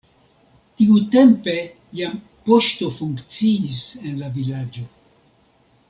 Tiutempe jam poŝto funkciis en la vilaĝo.